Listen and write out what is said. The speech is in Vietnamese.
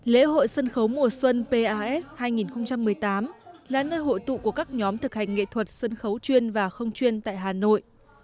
lễ hội sân khấu mùa xuân pas hai nghìn một mươi tám là nơi hội tụ của các nhóm thực hành nghệ thuật sân khấu chuyên và không chuyên tại hà nội